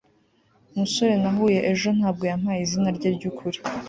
umusore nahuye ejo ntabwo yampaye izina rye ryukuri